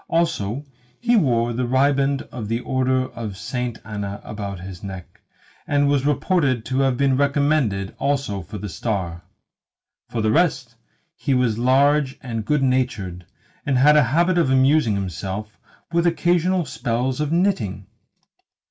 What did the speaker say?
Also, he wore the riband of the order of Saint Anna about his neck, and was reported to have been recommended also for the star. For the rest, he was large and good natured, and had a habit of amusing himself with occasional spells of knitting.